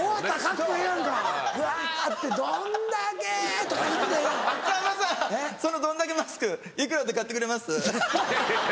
さんまさんそのどんだけマスクいくらで買ってくれます？